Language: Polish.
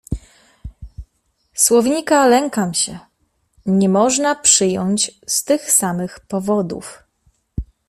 "Słownika lękam się, nie można przyjąć z tych samych powodów."